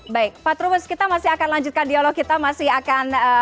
baik pak trubus kita masih akan lanjutkan dialog kita masih akan